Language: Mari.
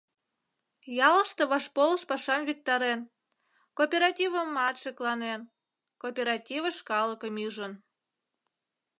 Ялыште вашполыш пашам виктарен, кооперативымат шекланен, кооперативыш калыкым ӱжын.